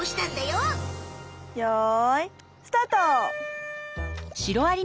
よいスタート！